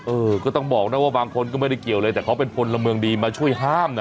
เออก็ต้องบอกนะว่าบางคนก็ไม่ได้เกี่ยวเลยแต่เขาเป็นพลเมืองดีมาช่วยห้ามนะ